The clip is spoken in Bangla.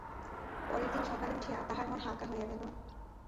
পরের দিন সকালে উঠিয়া তাহার মন হালকা হইয়া গেল।